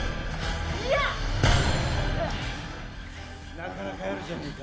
なかなかやるじゃねえか。